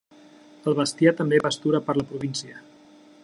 El bestiar també pastura per la província.